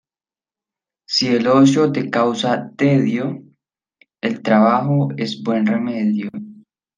Si el ocio te causa tedio, el trabajo es buen remedio.